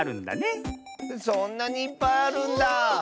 そんなにいっぱいあるんだ。